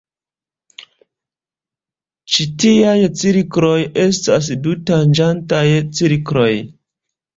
Ĉi tiaj cirkloj estas du-tanĝantaj cirkloj.